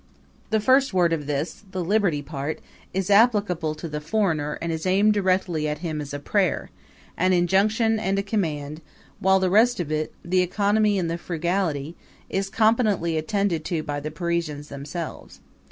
] The first word of this the Liberality part is applicable to the foreigner and is aimed directly at him as a prayer, an injunction and a command; while the rest of it the Economy and the Frugality is competently attended to by the Parisians themselves.